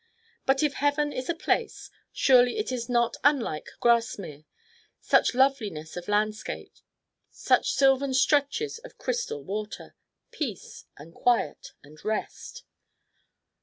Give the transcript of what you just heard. But if Heaven is a place, surely it is not unlike Grasmere. Such loveliness of landscape such sylvan stretches of crystal water peace and quiet and rest!